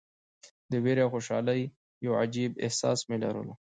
د ویرې او خوشالۍ یو عجیب احساس مې لرلو.